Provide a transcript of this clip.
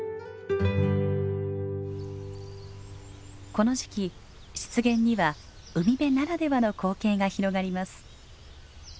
この時期湿原には海辺ならではの光景が広がります。